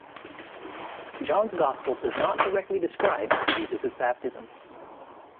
John's gospel does not directly describe Jesus' baptism.